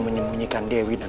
banyak juga banyak